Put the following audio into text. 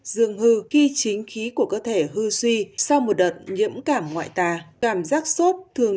dương hư khi chính khí của cơ thể hư suy sau một đợt nhiễm cảm ngoại tà cảm giác sốt thường